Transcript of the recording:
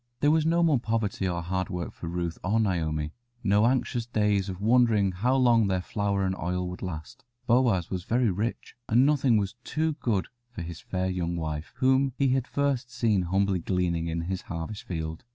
There was no more poverty or hard work now for Ruth or Naomi, no anxious days of wondering how long their flour and oil would last. Boaz was very rich, and nothing was too good for his fair young wife, whom he had first seen humbly gleaning in his harvest field.